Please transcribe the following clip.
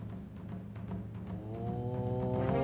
お。